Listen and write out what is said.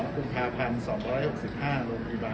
๒๒คุมภาคัน๒๖๕โรงพิบันทร์นครรัฐสมัย